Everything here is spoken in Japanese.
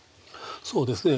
そうですね